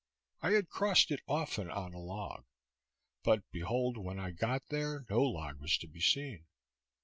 I had crossed it often on a log; but, behold, when I got there, no log was to be seen.